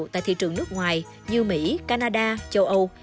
tại thị trường nước ngoài như mỹ canada châu âu